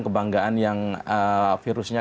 kebanggaan yang virusnya